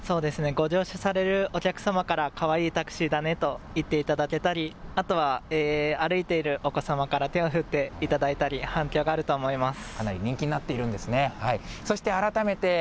そうですね、ご乗車されるお客様から、かわいいタクシーだねと言っていただけたり、あとは歩いているお子様から、手を振っていただいたり、反響があると思います。